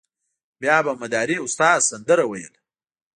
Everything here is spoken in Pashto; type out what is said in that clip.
بیا به مداري استاد سندره ویله.